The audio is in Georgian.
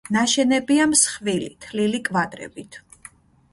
ნაშენებია მსხვილი თლილი კვადრებით.